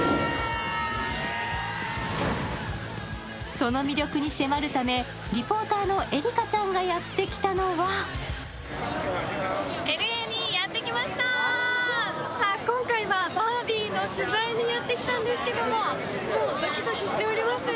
その魅力に迫るためリポーターの絵里花ちゃんがやってきたのは今回はバービーの取材にやってきたんですけどもう、ドキドキしております。